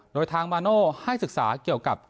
โดยทางมาโน่ให้ศึกษาเกี่ยวกับ